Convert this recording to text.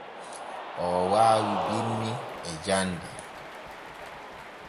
Oo waawi binni e jande.